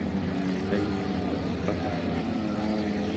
أيها الناظر المفكر فيما